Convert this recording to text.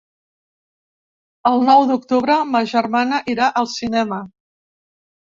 El nou d'octubre ma germana irà al cinema.